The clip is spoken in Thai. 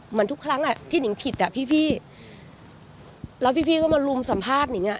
เหมือนทุกครั้งอ่ะที่หนิงผิดอ่ะพี่แล้วพี่ก็มาลุมสัมภาษณ์นิงอ่ะ